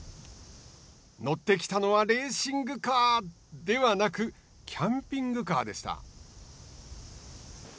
乗ってきたのはレーシングカー、ではなくキャンピングカーでした。